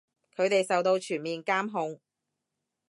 佢哋受到全面監控